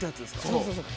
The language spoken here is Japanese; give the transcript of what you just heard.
そうそうそう。